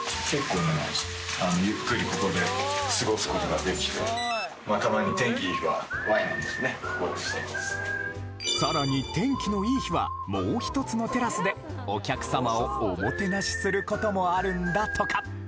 結構ね、ゆっくりここで過ごすことができて、たまに天気いい日はさらに天気のいい日はもう一つのテラスでお客様をおもてなしすることもあるんだとか。